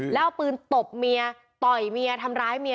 แล้วเอาปืนตบเมียต่อยเมียทำร้ายเมีย